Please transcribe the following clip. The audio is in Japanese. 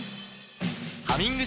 「ハミング」